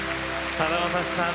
さだまさしさん